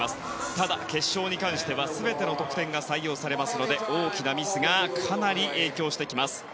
ただ、決勝に関しては全ての得点が採用されますので大きなミスがかなり影響してきます。